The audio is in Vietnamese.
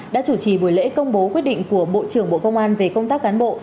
đã chủ trì buổi lễ công bố quyết định của bộ trưởng bộ công an về công tác cán bộ